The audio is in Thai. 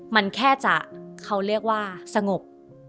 มันแค่จะเขาเรียกว่าสงบ